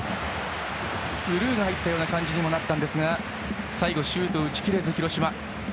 スルーが入ったような感じもあったんですが最後、シュートを打ち切れず広島。